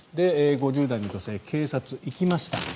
５０代の女性警察に行きました。